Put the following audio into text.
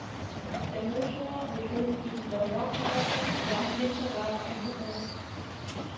Der Motor mit obenliegender Nockenwelle war im Hinterrad eingebaut.